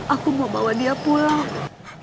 aku mau bawa dia pulang